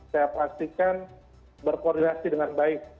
saya pastikan berkoordinasi dengan baik